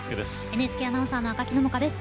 ＮＨＫアナウンサーの赤木野々花です。